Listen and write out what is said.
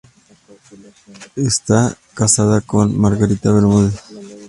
Está casado con Margarita Bermúdez.